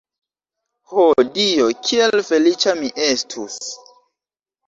Ho Dio, kiel feliĉa mi estus!